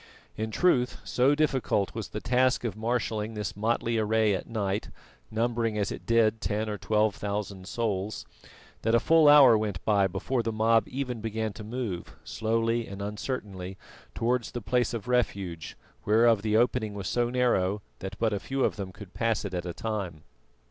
In truth, so difficult was the task of marshalling this motley array at night, numbering as it did ten or twelve thousand souls, that a full hour went by before the mob even began to move, slowly and uncertainly, towards the place of refuge, whereof the opening was so narrow that but few of them could pass it at a time.